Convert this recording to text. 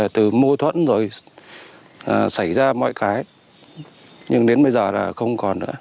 từ mâu thuẫn rồi xảy ra mọi cái nhưng đến bây giờ là không còn nữa